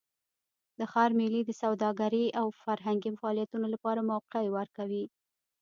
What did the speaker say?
د ښار میلې د سوداګرۍ او فرهنګي فعالیتونو لپاره موقع ورکوي.